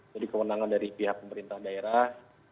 jadi kewenangan dari pihak pemerintah daerah